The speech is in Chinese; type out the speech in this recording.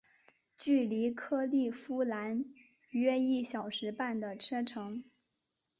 距离克利夫兰约一小时半的车程。